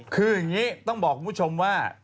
คืออย่างนี้ต้องบอกคุณผู้ชมว่า